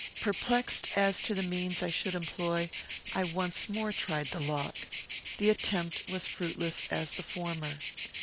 Perplexed as to the means I should employ, I once more tried the lock. The attempt was fruitless as the former.